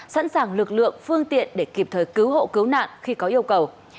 sẵn sàng lực lượng phương tiện để kịp thời cứu hộ cứu nạn khi có yêu cầu